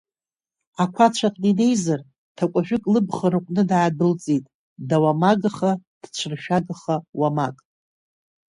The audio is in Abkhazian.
Ақәацә аҟны инеизар, ҭакәажәык лыбӷа рыҟәны даадәылҵит, дауамагаха, дцәыршәагаха, уамак.